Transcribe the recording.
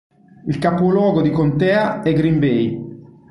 Il capoluogo di contea è Green Bay.